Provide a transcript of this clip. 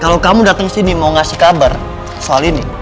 kalau kamu datang sini mau ngasih kabar soal ini